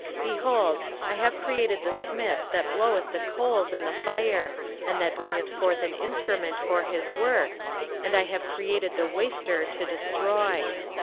23:054:016 Behold, I have created the smith that bloweth the coals in the fire, and that bringeth forth an instrument for his work; and I have created the waster to destroy.